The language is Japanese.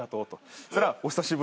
そしたら「お久しぶりです。